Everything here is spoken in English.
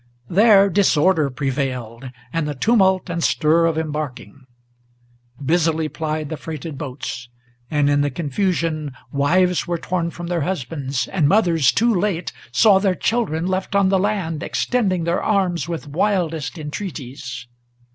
There disorder prevailed, and the tumult and stir of embarking. Busily plied the freighted boats; and in the confusion Wives were torn from their husbands, and mothers, too late, saw their children Left on the land, extending their arms, with wildest entreaties.